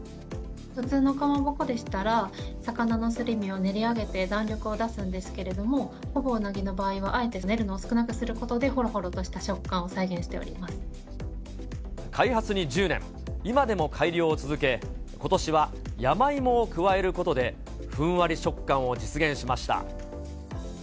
普通のかまぼこでしたら、魚のすり身を練り上げて弾力を出すんですけれども、ほぼうなぎの場合はあえて練るのを少なくすることで、ほろほろと開発に１０年、今でも改良を続け、ことしは山芋を加えることで、ふんわり食感を実現しました。